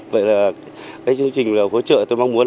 vậy là cái chương trình hỗ trợ tôi mong muốn